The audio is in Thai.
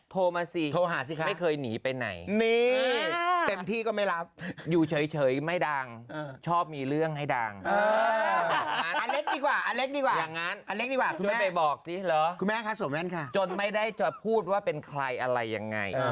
โทรมาสิไม่เคยหนีไปไหนอยู่เฉยไม่ดังชอบมีเรื่องให้ดังอย่างนั้นจนไม่ได้จะพูดว่าเป็นใครอะไรยังไง